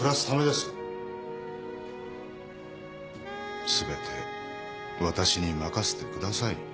すべて私に任せてください